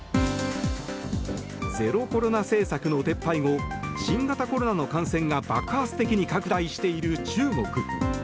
ゼロコロナ政策の撤廃後新型コロナの感染が爆発的に拡大している中国。